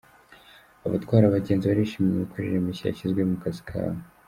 Abatwara abagenzi barishimira imikorere mishya yashyizweho mu kazi kabo